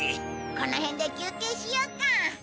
この辺で休憩しようか。